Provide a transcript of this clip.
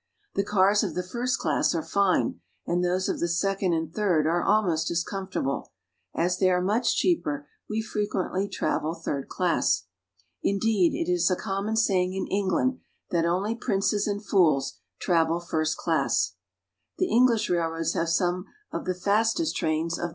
The cars of the first class are fine, and those of the second and third are almost as comfortable ; as they are much cheaper, we fre quently travel third class. Indeed it is a common saying in England that only princes and fools travel first class. The English railroads have some of the fastest trains of 5o ENGLAND.